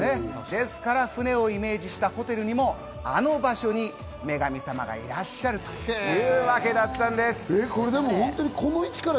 ですから船をイメージしたホテルにもあの場所に女神様がいらっしゃるというわけだったんです。